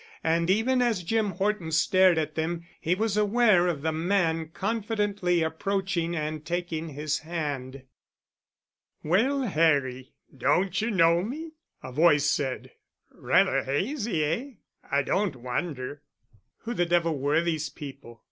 And even as Jim Horton stared at them, he was aware of the man confidently approaching and taking his hand. "Well, Harry, don't you know me?" a voice said. "Rather hazy, eh? I don't wonder...." Who the devil were these people?